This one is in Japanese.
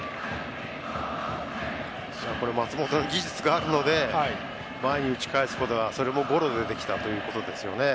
松本の技術があるので前に打ち返すことがそれもゴロでできたということです。